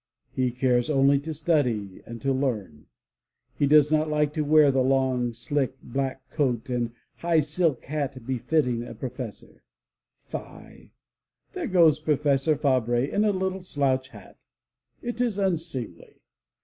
He cares only to study and to learn. He does not like to wear the long, slick, black coat and high silk hat befitting a Professor. Fie ! There goes Professor Fabre in a little slouch hat! It is unseemly!